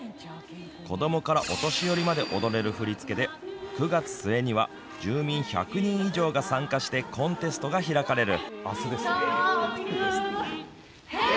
子どもからお年寄りまで踊れる振り付けで９月末には住民１００人以上が参加してコンテストが開かれる。